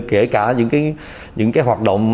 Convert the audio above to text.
kể cả những cái hoạt động